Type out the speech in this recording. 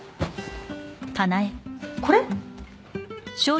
これ？